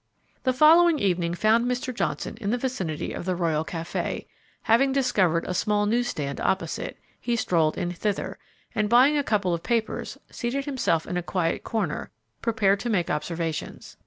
The following evening found Mr. Johnson in the vicinity of the Royal Café; having discovered a small newsstand opposite, he strolled in thither, and, buying a couple of papers, seated himself in a quiet corner, prepared to take observations.